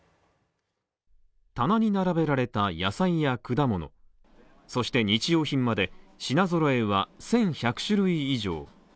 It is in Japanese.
棚に並べられた野菜や果物、そして日用品まで、品揃えは１１００種類以上。